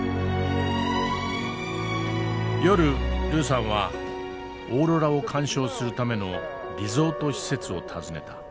夜ルーさんはオーロラを観賞するためのリゾート施設を訪ねた。